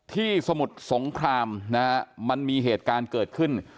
สมุทรสงครามนะฮะมันมีเหตุการณ์เกิดขึ้น